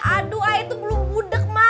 aduh ae itu belum budak ma